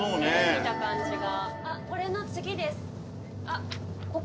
見た感じが。